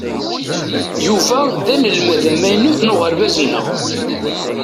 Yuba d anelmad amaynut n uɣerbaz-nneɣ.